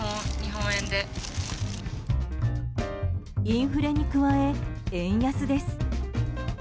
インフレに加え、円安です。